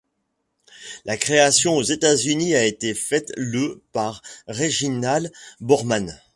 La création aux États-Unis a été faite le par Reginald Boardman.